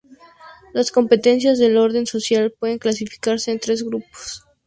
Las competencias del Orden social pueden clasificarse en tres grupos.